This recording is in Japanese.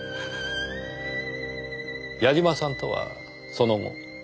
矢嶋さんとはその後。